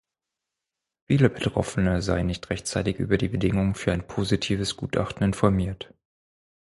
Viele Betroffene seien nicht rechtzeitig über die Bedingungen für ein positives Gutachten informiert.